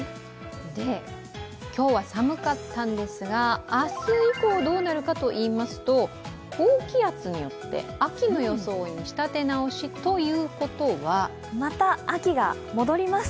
今日は寒かったんですが、明日以降どうなるかといいますと高気圧によって秋の装いに仕立て直し、ということはまた秋が戻ります。